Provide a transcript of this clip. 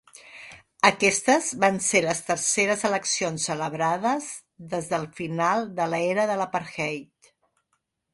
Aquestes van ser les terceres eleccions celebrades des del final de l'era de l'apartheid.